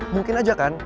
mungkin aja kan